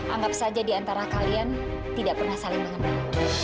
anggap saja diantara kalian tidak pernah saling mengenal